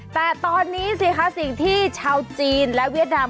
แต่ตอนนี้สิคะสิ่งที่ชาวจีนและเวียดนาม